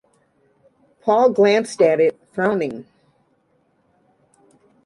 Paul glanced at it frowning.